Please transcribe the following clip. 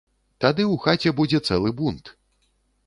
Тады ў хаце будзе цэлы бунт.